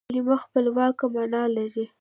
کلیمه خپلواکه مانا لري.